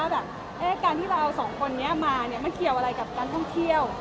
แบบการที่เราเอาสองคนนี้มามันเกี่ยวอะไรกับการท่องเที่ยว